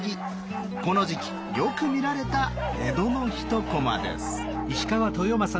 この時期よく見られた江戸の一コマです。